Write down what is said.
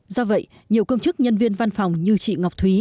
do vậy nhiều công chức nhân viên văn phòng như chị ngọc thúy